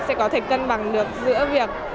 sẽ có thể cân bằng được giữa việc